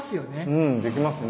うんできますね。